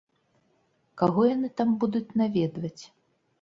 Каго яны там будуць наведваць?